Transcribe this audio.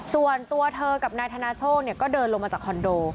ส่วนตัวเธอกับนายธนาโชคก็เดินลงมาจากคอนโด